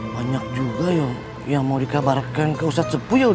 banyak juga yang mau dikabarkan ke ustadz sepuyuh